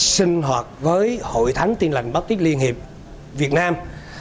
sinh hoạt với hội thánh tin lành bác tiếp liên hiệp việt nam